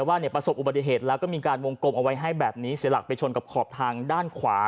ว่าเนี่ยประสบอุบัติเหตุแล้วก็มีการวงกลมเอาไว้ให้แบบนี้เสียหลักไปชนกับขอบทางด้านขวา